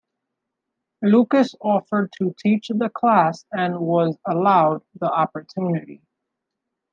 Lucas offered to teach the class, and was allowed the opportunity.